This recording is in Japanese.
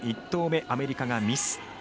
１投目、アメリカがミス。